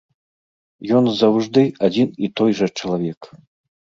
Ён заўжды адзін і той жа чалавек.